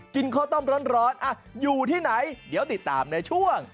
ข้าวต้มร้อนอยู่ที่ไหนเดี๋ยวติดตามในช่วง